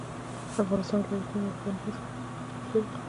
د افغانستان ولايتونه د افغان ماشومانو د زده کړې موضوع ده.